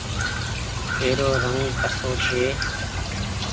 ايرو رنگ ڪسو ڇي۔